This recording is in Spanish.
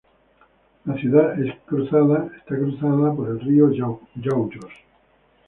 La ciudad es cruzada por el río Yauyos.